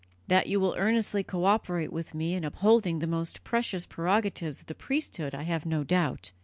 That you will earnestly co operate with me in upholding the most precious prerogatives of the priesthood I have no doubt.